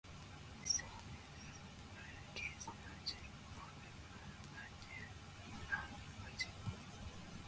He strengthened the Portuguese fortifications of Fort Manuel on Cochin.